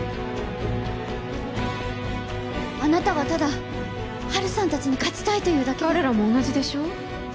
あなたはただハルさん達に勝ちたいというだけで彼らも同じでしょ？